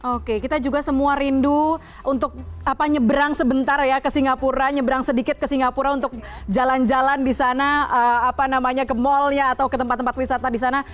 oke kita juga semua rindu untuk nyebrang sebentar ya ke singapura nyebrang sedikit ke singapura untuk jalan jalan di sana ke mallnya atau ke tempat tempat wisata di sana